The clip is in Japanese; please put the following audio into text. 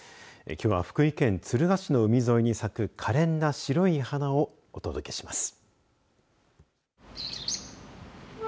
きょうは福井県敦賀市の海沿いに咲くかれんな白い花をお届けします。